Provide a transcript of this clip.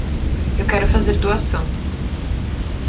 Eu quero fazer doação.